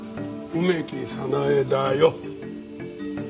梅木早苗だよ。